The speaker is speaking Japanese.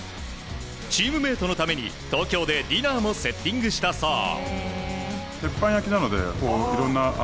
チームメートのために東京でディナーもセッティングしたそう。